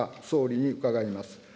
総理に伺います。